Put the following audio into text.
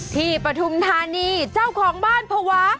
ปฐุมธานีเจ้าของบ้านภาวะ